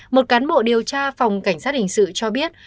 một cán bộ điều tra phòng cảnh sát hình sự cho biết